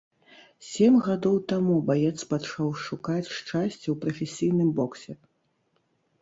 Сем гадоў таму баец пачаў шукаць шчасця ў прафесійным боксе.